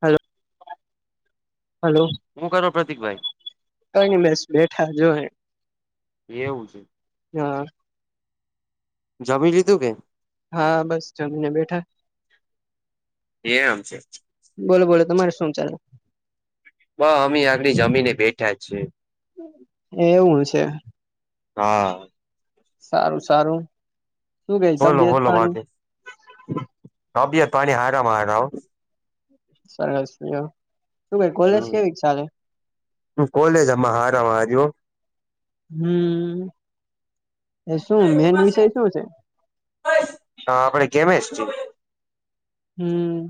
Hello hello. હું કરો પ્રતિકભાઈ? કંઈ નહી બસ બેઠા જો અહિયાં. એવું છે. હા જમી લીધું કે? હા બસ જમીને બેઠા. એમ છે. બોલો-બોલો. તમારે શું ચાલે? બહ અમેઈ આગડી જમીને બેઠા જ છે. એવું છે! હા. સારું-સારું. શું કેછ તબિયત પાણી? તબિય પાણી હારામાં હારા હો. સરસ લ્યો. શું કેઈ કોલેજ કેવી ચાલે? હુ કોલેજ હમાં હારા [unintelligible] હમ્મ. એ શું, મેન વિષય શું છે? હ આપડે કેમેસ્ટ્રી હમ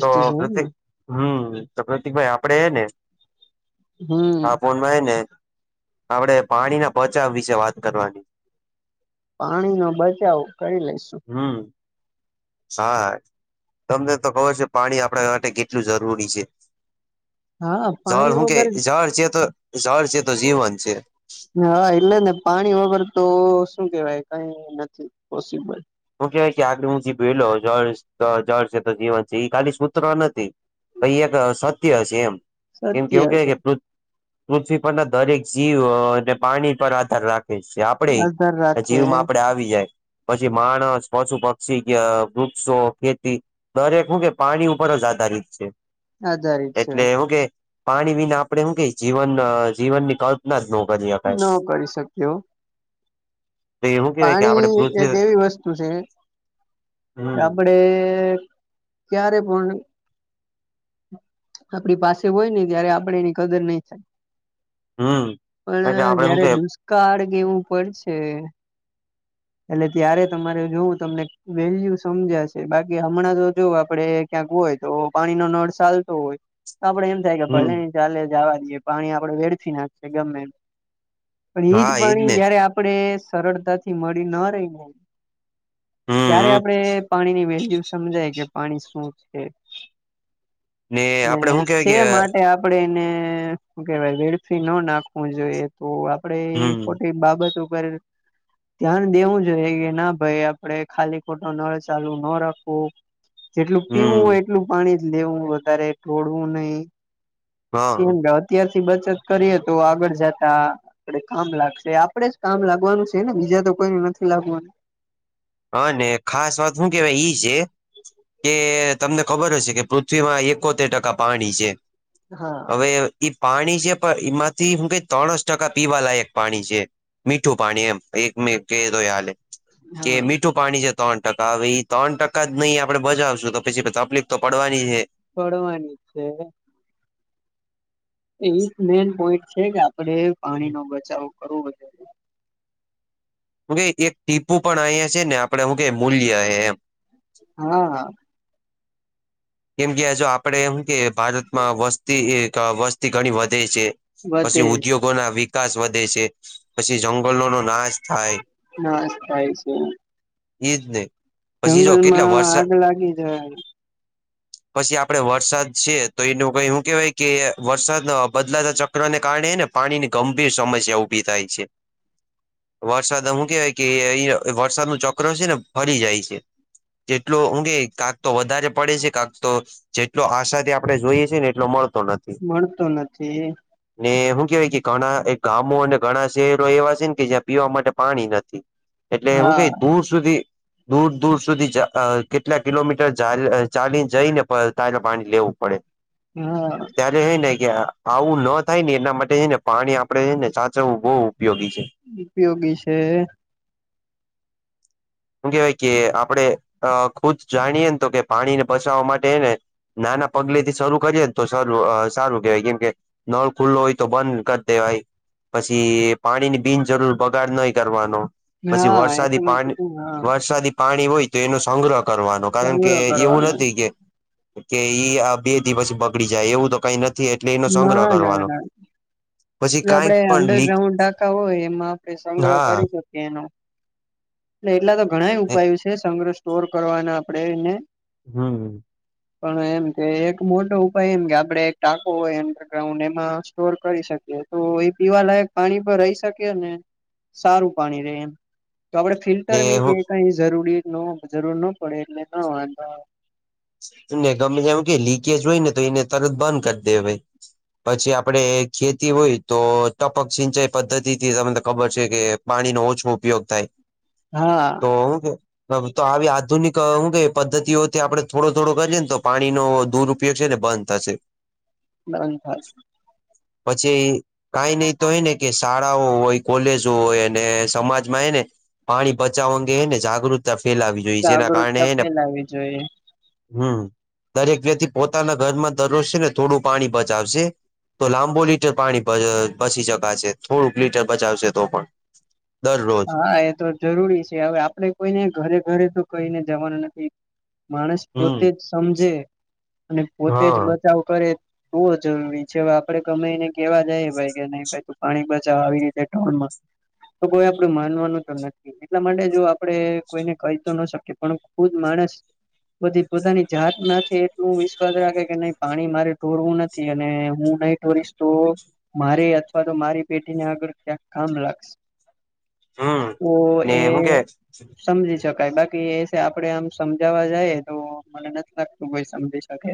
તો છે એમને પ્રતિક હમ તો પ્રતિકભાઈ આપડે ને હમ આપો ને આપડે પાણી ના બચાવ વિશે વાત કરવાની પાણી નો બચાવ કરી લઈશુ હમ્મ હા તમને તો ખબર છે પાણી આપણા માટે કેટલું જરૂરી છે. હા જળ પાણી હું કે વગર જળ છે તો જળ છે તો જીવન છે. હા, એટલે ને પાણી વગર તો શું કેહેવાય કઈ નથી પોસિબલ. હું કેહેવાય કે આગ હું ભલો જળ જળ છે, તો જીવન છે એ ખાલી સૂત્ર નથી. કઈ એક સત્ય છે એમ. એમ સત્ય કેવું કે છે કે પૃ્ પૃથ્વી પરના દરેક જીવ અને પાણી પર આધાર રાખે છે. આધાર આપદેય રાખે જીવમાં આપડે આવી જાય. પછી માણસ, પશુ પક્ષી, વૃક્ષો, ખેતી દરેક હું કે પાણી ઉપર જ આધારિત છે. આધારિત છે એટલે એવું કે પાણી વિના આપણે શું કે જીવન જીવનની ક લ્પના ના જ નો કરી હકાય. ન કરી શક્યો પાણી એક પૃથ્વી એવી વસ્તુ છે. હમ આપણે ક્યારે પણ આપણી પાસે હોયને, ત્યારે આપણે એની કદર નઈ થાય. હમ એટલે પણ આપડે હું જયારે કે દુષ્કાળ કેવું પડશે. એટલે ત્યારે તમારે જોવું તમને વેલ્યુ સમજાશે. બાકી હમણાં તો જોવ આપણે ક્યાંક હોય. તો પાણીનો નળ ચાલતો હોય, તો આપડે એમ. થ કે ભલે હમ ન ચાલે જવા દઈએ પાણી આપણે વેડથી નાખશે ગમે. પણ એઈજ હા એજ પાણી ને જયારે આપણેે સરળતાથી મળી ના રહીને. હમ ત્યારે હમ આપણે પાણીની વેલ્યુ સમજાય કે પાણી શું છે ને આપડે શું કેવાય સે કે માટે આપ પડે એને શુ કેવાય વેડફી ન નાખવું જોઈએ. તો આપણે એવી હમ ખોટી બાબત પર ધ્યાન દેવું જોઈએ કે ના ભાઈ આપણે ખાલી ખોટો નળ ચાલુ ના રાખવું. જેટલું પીવું હમ હોય, એટલું પાણી જ લેવું. વધારે ઢોળવું નહીં. કેમ હા કે અત્યારથી બચત કરીએ, તો આગળ જતા કામ લાગશે. આપણે જ કામ લાગવાનું છે ને, બીજા તો કોઈ નથી લાગવાનું. હ, અને ખાસ વાત શું કેવાય ઈ છે. કે તમને ખબર હશે કે પૃથ્વીમાં એકોતેર ટકા પાણી છે. હા હવે એ પાણી છે, પણ એમાંથી શું કે ત્રણસ ટકા પીવા લાયક પાણી છે. મીઠું પાણી એમ [unintelligible] [unintelligible] કે મીઠું પાણી છે, ત્રણ ટકા. હવે, ત્રણ ટકા જ નહીં આપણે બજાવશું, તો પછી તકલીફ તો પડવાની છે. પડવાની છે. ઈ જ મેંન પોઈન્ટ છે કે આપણે પાણીનો બચાવ કરવો જોઈએ હું કે એક ટીપુ પણ અહીંયા છે ને, આપણે હું કે મૂલ્ય એ એમ. હા હા. કેમ કે જો આપણે એમ કે ભારતમાં વસ્તી, વસ્તી ઘણી વધે છે. વધે પછી ઉદ્યોગોના વિકાસ વધે. પછી ના નાશ થાય છે. એ જ ને. પછી જો કેટલા જંગલમાં વરસાદ આગ લાગી જાય. પછી આપણે વરસાદ છે તો એનું કે શું કેહેવાય કે વરસાદ બદલાતા ચ ચકરાને કારણે ને પાણીની ગંભીર સમસ્યા ઉભી થાય છે. હ [inaudible] વરસાદ હું કેવાય કે વરસાદ નું ચક્ર છે ને ફરી જાય છે. જેટલો ઊંગે કાક તો વધારે પડે છે. કાક તો જેટલો આશાથી આપણે જોઈએ છેએ ને એટલો મળતો નથી. મળતો નથી. ને હું કેવાય કે ઘણા એક ગામો અને ઘણા શહેરો એવા છે ને, કે જ્યાં પીવા માટે પાણી નથી. [inaudible] એટલે હું કઈ દૂર સુધી દૂર દૂર સુધી જ કેટલા કિલોમીટર જા ચાલીને જઈ ને પ તાજા પાણી લેવું પડે. હા, ત્યારે હેઈ ને કે આવું ન થાય ને એના માટે હેને પાણી આપડે હેને સાચવવું બહુ ઉપયોગી છે. ઉપયોગી છે. શું કેહેવાય કે આપણે ખુદ જાણીએ ને તો કે પાણીને બચાવવા માટે હેને, નાના પગલે થી શરૂ કરી ને તો સારું સારું કેવાય કેમ કે, નળ ખુલ્લો હોય તો બંધ કરી દેવાય. પછી પાણી ની બિનજરૂર બગાડ નહીં કરવાનો. પછી હા એ તો વરસાદી મૈ પાણી કીધું હા, વરસાદી પાણી હોય તો એનો સંગ્રહ કરવાનો કારણ કે સંગ્રહ એવું કરવાનો. નથી કે, કે ઈ આ બે દિવસ બગડી જાય એવું તો કઈ નથી એટલે એનો સંગ્રહ ના ના કરવાનો. ના પછી આપડે કાંઈક પણ લીક અંડરગ્રાઉન્ડ ટાંકા હોય એમાં આપણે સંગ્રહ હા કરી શકીએ, એનો એટ એટલા તો ઘણાય ઉપાયો છે, સંગ્રહ સ્ટોર કરવાના આપડે એને, હમ, [inaudible] પણ એમ કે એક મોટો ઉપાય એમ કે આપડે એક ટાકો હોય અંડરગ્રાઉન્ડ એમાં સ્ટોર કરી શકીએ, તો એ પીવાલાયક પાણી પર રહી શકે ને સારું પાણી રહે એમ, તો આપડે ને ફિલ્ટરની કે એવી કઈ જરૂરી નો જરૂર ન પડે એટલે નો વાંધો આવે, ને ગમે એમ કે લીકેજ હોય ને તો એને તરત બંધ કરી દેવાય, પછી આપણે ખેતી હોય તો ટપક સિંચાઈ પદ્ધતિ થી તમને ખબર છે કે, પાણીનો ઓછ ઉપયોગ થાય. હા, તો હું કે તો આવી આધુનિક હું કે પદ્ધતિઓથી આપણે, થોડો થોડો કરીએ તો પાણીનો દુરપયોગ છે ને બંધ થશે. નાંધ [unintelligible] પછી, કાઈ નહી તો હે ને કે શાળાઓ હોય, કોલેજો હોય અને સમાજમાં હે ને, પાણી બચાવવા અંગે હેને જાગૃતતા ફેલાવી. જોઈએ જેના જાગૃતતા કારણે હેને ફેલાવી જોઈએ. હમ દરેક વ્યક્તિ પોતાના ઘરમાં દરોજ છે ને થોડું પાણી બચાવશે. તો લાંબો લીટર પાણી બચી શકાશે થોડુંક લીટર બચાવશે તો પણ, દરરોજ હા એ તો જરૂરી છે હવે આપડે કોઈને ઘરે ઘરે તો કઈને જવાના નથી. માણસ પોતે હમ જ સમજે અને પોતે જ હા બચાવ કરે તું જરૂરી છે આપડે કમાઈ ને કેવા જાય ભાઈ કે નઈ ભઈ તું પાણી બચાવ આવી રીતે ટાઉનમાં તો કો આપડું માનવાનું તો નથી એટલા માટે જો આપડે કોઈને કહી તો ન શકીએ પણ ખુદ માણસ બધી પોતાની જાત ના એટલું વિશ્વાસ રાખે કે નહી પાણી મારે ઢોરવું નથી અને હું ન તો મારે અથવા તો મારી પેટીને આગળ ક્યાંક કામ લાગસે હમ તો ને એ હું કે સમજી શકાય બાકી એ છે આપડે આમ સમજાવા જઈએ તો મને નથી લાગતું કોઈ સમજી શકે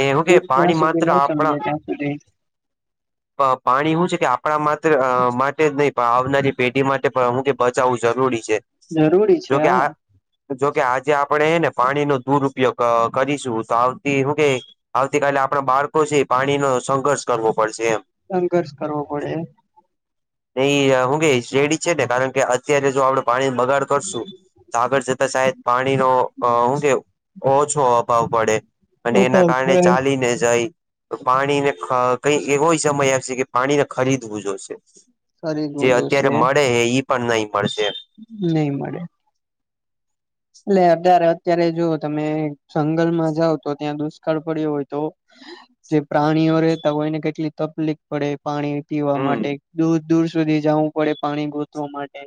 ને હું કે ખ પાણી ત્યાં સુધી માત્ર ન સમજે ત્યાં અને આ પાણી શું છે કે આપણા માત્ર માટે જ નહીં પણ આવનારી પેઢી માટે પણ હું કે બચાવુ જરૂરી છે. જરૂરી છે હ. જોકે આ જોકે આજે આપણે ને પાણી નો દુરપયોગ કરીશું તો આવતી હું કે આવતીકાલે આપણા બાળકો છે પાણીનો સંઘર્ષ કરવો પડશે એમ સંઘર્ષ કરવો પડે. નહી હું કે રેડી છે ને, કારણ કે અત્યારે જો આપડે પાણી બગાડ કરશું, તો આગળ જતા સાહેદ પાણીનો હું કે ઓછો પડે અને એ તો એના કારણે થાય. ચાલીને જાય, પાણીને કઈ એવો સમય આવશે કે પાણીને ખરીદવું જોશે. શરીર જે નું અત્યારે મળેહે ઈ. પણ નહી મળશે. નહીં મળે. એટલે અત્યારે, અત્યારે જો તમે જંગલમાં જાઓ તો ત્યાં દુષ્કાળ પડ્યો હોય તો જે પ્રાણીઓ રેહતા હોયને, કેટલી તકલીફ પડે. પાણી પીવા હમ માટે દૂર દૂર સુધી જવું પાણી ગોતવા માટે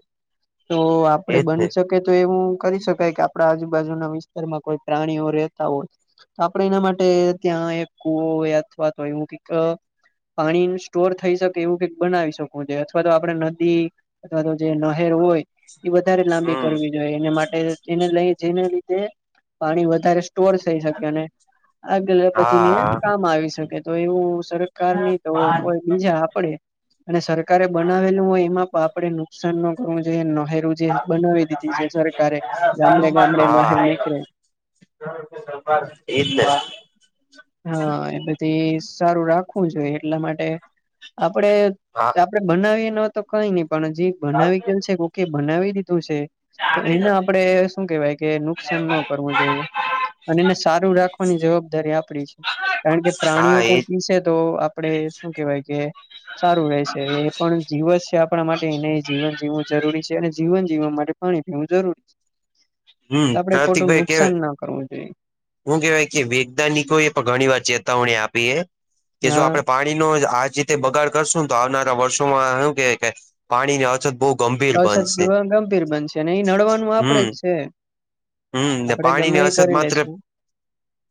તો આપણે એજ ને બની તો એવું કરી શકાય કે આપણા આજુબાજુના વિસ્તારમાં કોઈ પ્રાણીઓ રહેતા હોય. આપણે એના માટે ત્યાં એક કુવો અથવા તો હોય એવું કંઈક પાણી સ્ટોર થઈ શકે એવું કઈક બનાવી શકું છે અથવા તો આપણે નદી અથવા તો જે નહેર હોય. એ વધારે લાંબી હમ કરવી જોઈએ. એને માટે એને લઈ જેને લીધે પાણી વધારે સ્ટોર થઈ શકે અને આગળ પધીને હા કામ આવી શકે. તો એવું સરકારની તો કોઈ બીજા આપણે અને સરકારે બનાવેલું હોય, એમાં તો આપણે નુકસાન ન કરવું જોઈએ. નહેરું જે હા એજ બનાવી દીધી છે સરકારે ગામડે ગામડે નહેર નીકળે. એ જ ને. હા, એ બધી સારું રાખવું જોઈએ. એટલા માટે આપડે આપણે બનાવીએ ન તો કઈ નહી, પણ જે બનાવી ગયલ છે. કોકે બનાવી દીધું છે. તો એને આપણે શું કેહેવાય કે નુકસાન ન કરવું જોઈએ. અને એને સારું રાખવાની જવાબદારી આપણી છે. કારણ કે હા પ્રાણીઓ પણ એજ પીસે તો આપણેે શું કેહેવાય કે સારું રહેે છે. એ પણ જીવત છે, આપણા માટે એને જીવન જીવું જરૂરી છે અને જીવન જીવવા માટે પાણી પીવું જરૂરી છે. તો હમ આપણે ખોટું પ્રતિકભાઈ કેવા નુકસાન ન કરવું જોઈએ. હું કેહેવાય કે વૈજ્ઞાનિકોએ પણ ઘણી વાર ચેતાવણી આપી છે. કે જો આપણે હા પા ણીનો આ જે રીતે બગાડ કરશુંને, તો આવનારા વર્ષોમાં શું કે પાણીની અછત બહુ ગંભીર અછત બનશે કી ગંભીર બનશે અને એ નડવાનું આપણે જ છે. હમ્મ. ને આપડે ગમે પાણીની એ અસત કરી માત્ર લેશું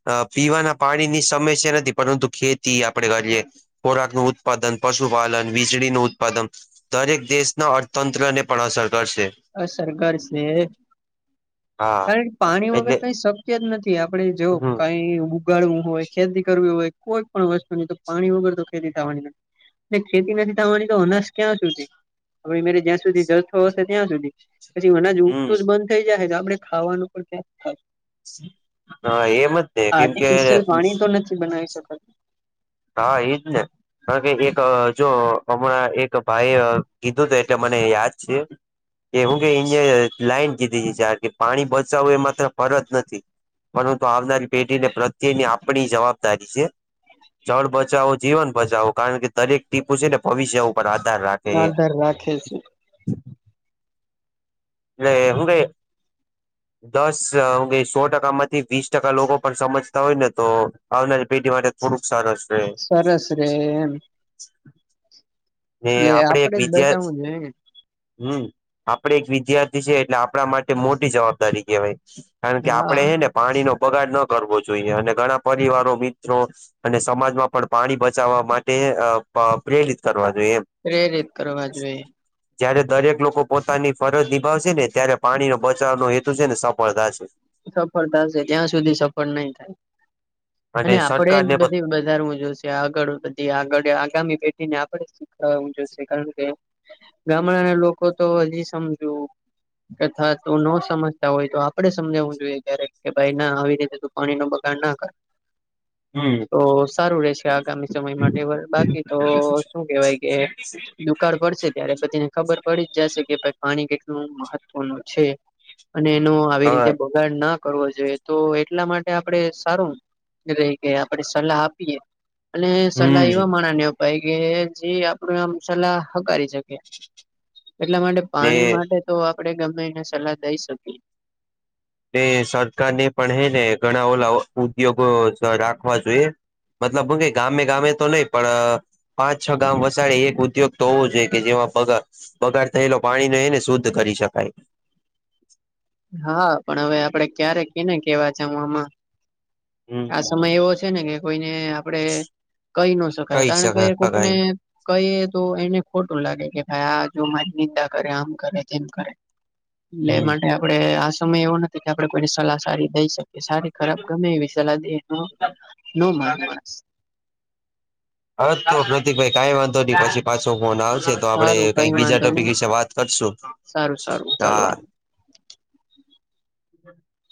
અહ પીવાના પાણીની સમસ્યા નથી, પરંતુ ખેતી આપણે કરીએ ખોરાકનું ઉત્પાદન, પશુપાલન, વીજળીનું ઉત્પાદમ દરેક દેશના અર્થતંત્રને પણ અસર કરશે. અસર કરશે. હા કારણ કે પાણી વગર એટલે કાંઈ શક્ય જ નથી. આપણે જોવો હમ કંઈ બુ ઉગાડવું હોય, ખેતી કરવી હોય, કોઈ પણ વસ્તુની તો પાણી વગર તો ખેતી થાવાની નથી. ને ખેતી નથી થવાની, તો અનાજ ક્યાં સુધી? હવે ઈ મેળે જ્યાંર સુધી જથ્થો હશે ત્યાં સુધી. પછી અનાજ હમ ઊગતું જ બંધ થઈ જાહે, તો આપણે ખાવાનું પણ ક્યાંથી હા. એમ જ તે. કેમ કે થી બનાવી શકાય. હા, ઈ જ ને. કારણ કે, એક જો હમણાં એક ભાઈએ કીધું તું, એટલે મને યાદ છે. કે હું કેઈ એને લાઈન દીધી હશે આખી. પાણી બચાવો એ માત્ર ફરજ નથી. પરંતુ આવનારી પેઢીને, પ્રત્યેની આપણી જવાબદારી છે. જળ બચાવો, જીવન બચાવો. કારણ કે, દરેક ટીપું છે ને ભવિષ્ય ઉપ પર આધાર રાખે હે. માધર રાખે છે એટલે હુ કેઈ [inaudible] દસ હુ કેઈ, સો ટકા માંથી વીસ ટકા લોકો પણ સમજતા હોય ને તો આવનારી પેઢી માટે થોડુંક સરસ રહે. સરસ રહે એમ. ને એટલે આપણે એક આપડે જ વિદ્યાથ બચાવવું જોઈએ હમ્મ. આપણે એક વિદ્યાર્થી છે, એટલે આપણા માટે મોટી જવાબદારી કહેવાય. કારણ ને કે હા આપણે હે ને પાણી નો બગાડ ન કરવો જોઈએ. અને ઘણા પરિવારો, મિત્રો અને સમાજમાં પણ પાણી બચાવવા માટે અહ પ પ્રેરિત કરવા જોઈએ એમ. પ્રેરિત કરવા જોઈએ. જયારે દરેક લોકો પોતાની ફરજ નિભાવશે ને, ત્યારે પાણીનો બચાવનો હેતુ છે ને સફળ થાશે. ઈ સફળ થશે, ત્યાં સુધી સફળ નહીં થાય. અને આપણે જ બધે [unintelligible] કે આગળ બધી આગળ એ આગામી પેઢીને આપણે શીખડાવું જોશે, કારણ કે ગામડા ના લોકો તો હજી સમજું કદાત તો નો સમજતા હોય તો આપણે સ સમજાવું જોઈએ ક્યારેક. કે ભાઈ ના આવી રીતે તું પાણી નો બગાડ ના કર. હમ્મ. તો સારું રહેશે આગામી સમય માટે. હવે બાકી તો શું કહેવાય કે દુક કાળ પડશે ત્યારે. પછી એને ખબર પડી જ જાશે, કે ભાઈ પાણી કેટલું મહત્વનું છે. અને એનો આવી રીતે બગાડ ના કરવો જોઈએ, તો એટલા માટે આપણે સારું રેઈ, કે આપણેે સલાહ આપીએ. અને સલાહ એવા હમ માણા ને અપ પાઈ કે, જે આપણી આમ સલાહ હકારી શકે. એટલા માટે ને પાણી માટે તો આપણે ગમે એને સલાહ દઈ શકી. તે સરકાર ને પણ હે ને, ઘણા ઓલા ઉદ્યોગો જ રાખવા જોઈએ. મતલબ હુ કેહી ગામે-ગામે લઈ, પણ પાંચ-છ ગામ વસાડી એક ઉદ્યોગ તો હોવો જોઈએ, કે જેમાં બગા બગાડ થયેલો પાણીને હે ને શુદ્ધ કરી શકાય. હા પણ હવે આપડે ક્યારે કેને કેવા જવુ આમાં હમ આ સમય એવો છે. ને કે કોઈને આપણે કહી ન શકાય કહી કારણ કે કોકને, શકાય કહીએ તો એને ખોટું લાગે કે ભાઈ આ જો મારી નિંદા કરે આમ કરે તેમ કરે. એટલે એ હમ માટે આપડે આ સમય એવો નથી કે આપડે કોઈની સલા સારી થઈ શકે સારી ખરાબ ગમે એવી સલાહ [unintelligible] ન માને માણસ. હ તો પ્રતીકભાઈ કઈ વાંધો નહી પછી પાછો ફોન આવશે. તો આપડે સારું કઈક કઈ બીજા વાંધો ટોપિક નહી વિશે વાત કરશું સારું સારું ચાલો હા.